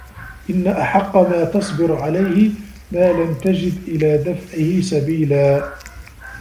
إنَّ أَحَقَّ مَا تَصْبِرُ عَلَيْهِ مَا لَمْ تَجِدْ إلَى دَفْعِهِ سَبِيلًا